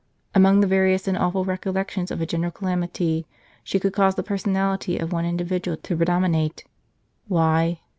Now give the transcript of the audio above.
Among the various and awful recollections of a general calamity, she could cause the personality of one individual to predominate. Why